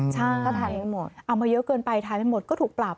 ใช่เอามาเยอะเกินไปทำไม่หมดก็ถูกปรับ